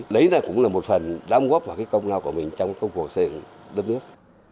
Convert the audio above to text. đấy là cũng là một phần đóng góp vào cái công lao của mình trong công cuộc xây dựng đất nước